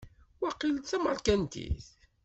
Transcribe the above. Waqil d tameṛkantit.